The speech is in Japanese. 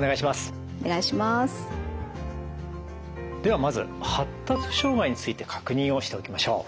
ではまず発達障害について確認をしておきましょう。